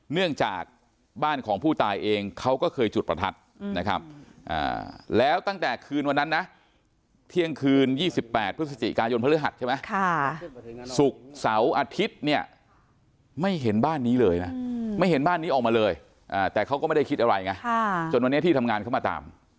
เนื่องจากบ้านของผู้ตายเองเขาก็เคยจุดประทัดนะครับแล้วตั้งแต่คืนวันนั้นนะเที่ยงคืน๒๘พฤศจิกายนพฤหัสใช่ไหมศุกร์เสาร์อาทิตย์เนี่ยไม่เห็นบ้านนี้เลยนะไม่เห็นบ้านนี้ออกมาเลยแต่เขาก็ไม่ได้คิดอะไรไงจนวันนี้ที่ทำงานเข้ามาตาม